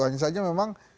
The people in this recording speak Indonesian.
hanya saja memang